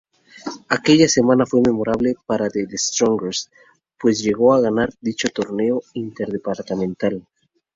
Aquella semana fue memorable para The Strongest pues llegó a ganar dicho Torneo Interdepartamental.